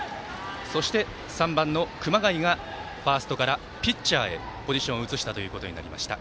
そして、３番の熊谷がファーストからピッチャーへポジションを移したということになりました。